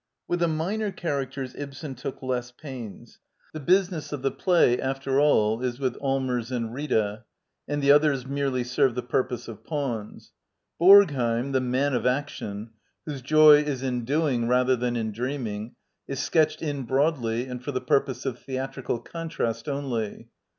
With the minor characters Ibsen took less pains. The business of the play, after all, is with Allmers and Rita, and the others merely serve the purpose of pawns. Borgheim, the man of action, whose joy is in doing rather than in dreaming, is sketched in broadly and for the purpose of ^theatrical contrast only.